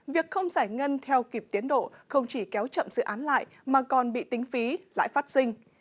việc không giải ngân theo kịp tiến độ không chỉ kéo chậm dự án lại mà còn bị tính phí lại phát sinh